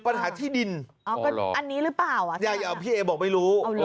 ปัญหาที่ดินอ๋อก็อันนี้หรือเปล่าอ่ะพี่เอบอกไม่รู้